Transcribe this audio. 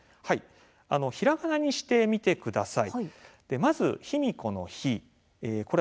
ひらがなにしてみてください。